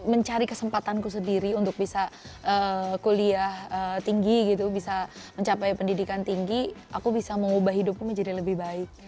mencari kesempatanku sendiri untuk bisa kuliah tinggi gitu bisa mencapai pendidikan tinggi aku bisa mengubah hidupku menjadi lebih baik